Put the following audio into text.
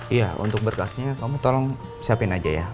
iya untuk berkasnya kamu tolong siapin aja ya